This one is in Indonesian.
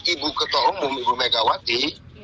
ibu ketua umum ibu megawati